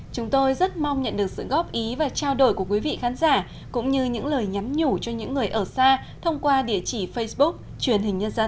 chúng tôi rất mong nhận được sự góp ý và trao đổi của quý vị khán giả cũng như những lời nhắn nhủ cho những người ở xa thông qua địa chỉ facebook truyền hình nhân dân